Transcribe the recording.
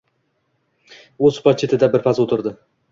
U supa chetida birpas o‘tirdi